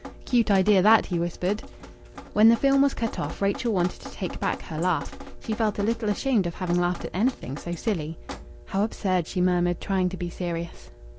"Cute idea, that!" he whispered. When the film was cut off Rachel wanted to take back her laugh. She felt a little ashamed of having laughed at anything so silly. "How absurd!" she murmured, trying to be serious.